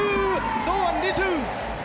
堂安律。